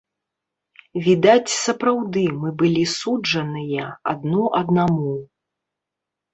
Відаць, сапраўды, мы былі суджаныя адно аднаму.